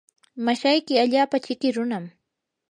mashayki allaapa chiki runam.